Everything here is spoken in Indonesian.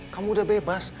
kamu udah bebas